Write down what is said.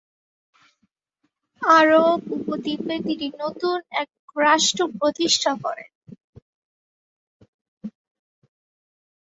আরব উপদ্বীপে তিনি নতুন একক রাষ্ট্র প্রতিষ্ঠা করেন।